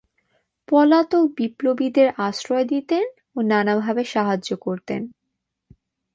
পলাতক বিপ্লবীদের আশ্রয় দিতেন ও নানাভাবে সাহায্য করতেন।